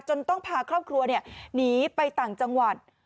ต้องพาครอบครัวหนีไปต่างจังหวัด